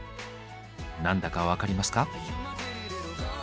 何だか分かりますか？